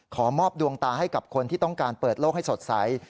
ขอมอบดวงตาให้กับคนที่ต้องการเปิดโลกให้สดใส